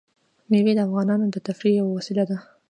مېوې د افغانانو د تفریح یوه وسیله ده.